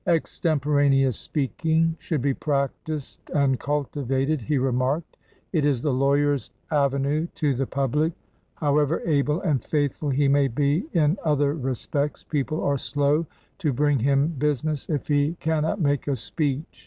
"Extemporaneous speaking should be practised and cultivated" he remarked. "It is the lawyer's avenue to the public. How ever able and faithful he may be in other respects , people are slow to bring him business if he can not make a speech.